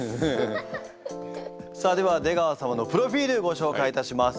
さあでは出川様のプロフィールご紹介いたします。